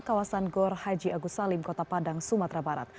kawasan gor haji agus salim kota padang sumatera barat